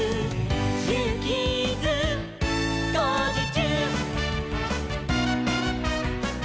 「ジューキーズ」「こうじちゅう！」